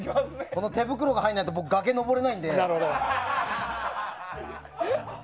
この手袋が入らないと僕、崖に上れないので。